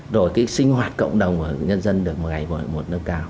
rồi cái sinh hoạt cộng đồng của nhân dân được ngày mỗi một nâng cao